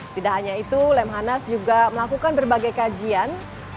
tidak hanya itu lemhanas juga melakukan berbagai kajian